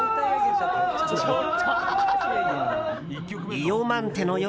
「イヨマンテの夜」